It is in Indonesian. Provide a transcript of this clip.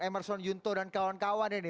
emerson yunto dan kawan kawan ini